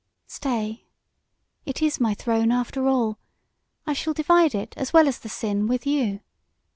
"Stay! It is my throne, after all. I shall divide it, as well as the sin, with you.